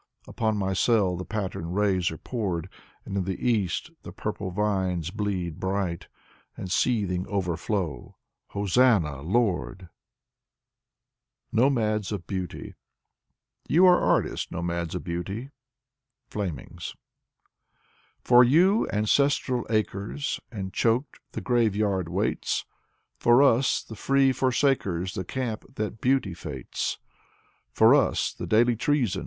Upon my cell the patterned rays are poured. And in the East, the purple vines bleed bright, And seething, overflow. ••. Hosannah, Lord I Vyacheslav Ivanov 107 NOMADS OF BEAUTY " You are artists, Nomads of Beauty." —" Flamings." For you — ^ancestral acres, And, choked, the graveyard waits. For us, the free forsakers, — The camp that Beauty fates. For us — the daily treason.